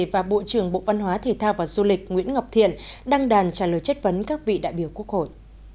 và bộ trưởng bộ văn hóa thể thao và du lịch nguyễn ngọc thiện đăng đàn trả lời chất vấn các vị đại biểu quốc hội